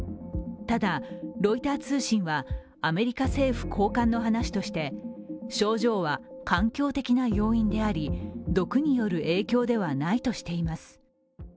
ただロイター通信は、アメリカ政府高官の話として症状は環境的な要因であり毒による影響ではないとしています。